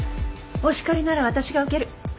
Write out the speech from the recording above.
お叱りなら私が受ける。